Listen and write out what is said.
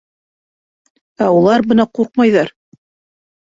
Ә улар бына ҡурҡмайҙар.